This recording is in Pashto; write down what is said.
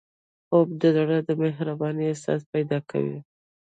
خوب د زړه د مهربانۍ احساس پیدا کوي